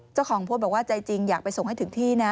เจ้าของโพสต์บอกว่าใจจริงอยากไปส่งให้ถึงที่นะ